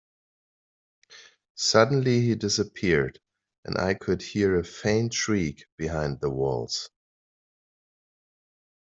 Suddenly, he disappeared, and I could hear a faint shriek behind the walls.